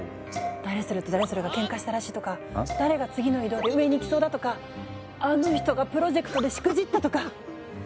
誰それと誰それがケンカしたらしいとか誰が次の異動で上にいきそうだとかあの人がプロジェクトでしくじったとか。